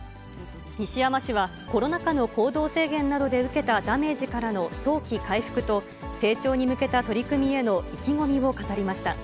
西山氏は、コロナ禍の行動制限などで受けたダメージからの早期回復と、成長に向けた取り組みへの意気込みを語りました。